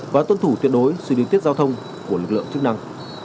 và tuân thủ tuyệt đối sự điều tiết giao thông của lực lượng chức năng